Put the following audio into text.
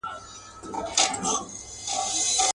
که منګول یې دی تېره مشوکه غټه.